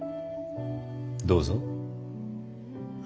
どうぞ。